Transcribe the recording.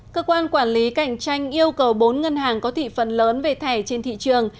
cơ quan quản lý cạnh tranh yêu cầu bốn ngân hàng có thị phần lớn về thẻ trên thị trường